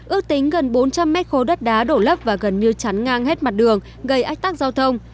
ước tính gần bốn trăm linh mét khối đất đá đổ lấp và gần như chắn ngang hết mặt đường gây ách tắc giao thông